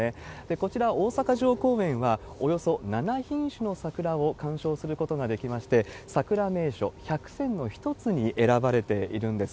こちら、大阪城公園は、およそ７品種の桜を観賞することができまして、桜名所百選の１つに選ばれているんです。